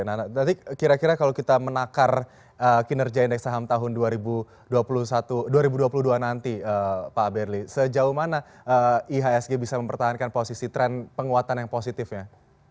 nah nanti kira kira kalau kita menakar kinerja indeks saham tahun dua ribu dua puluh dua nanti pak berli sejauh mana ihsg bisa mempertahankan posisi tren penguatan yang positifnya